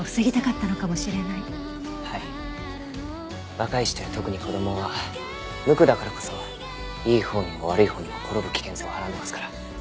若い人や特に子供は無垢だからこそいいほうにも悪いほうにも転ぶ危険性をはらんでますから。